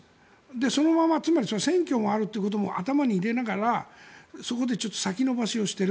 そのまま選挙があるということも頭に入れながらそこでちょっと先延ばしをしている。